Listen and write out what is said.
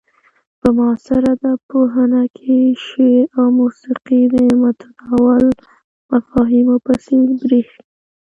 په معاصر ادب پوهنه کې شعر او موسيقي د متداول مفاهيمو په څير بريښي.